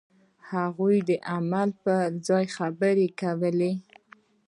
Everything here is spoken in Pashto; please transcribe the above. هغوی د عمل پر ځای خبرې کولې.